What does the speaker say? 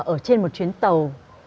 ở trên một chuyến tàu